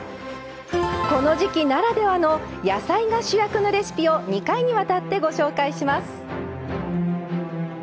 この時季ならではの野菜が主役のレシピを２回にわたって、ご紹介します。